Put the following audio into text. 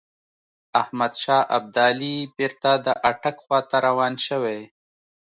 احمدشاه ابدالي بیرته د اټک خواته روان شوی.